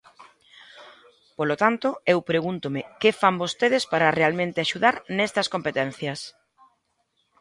Polo tanto, eu pregúntome que fan vostedes para realmente axudar nestas competencias.